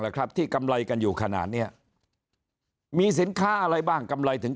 ครับที่กำไรกันอยู่ขนาดเนี้ยมีสินค้าอะไรบ้างกำไรถึง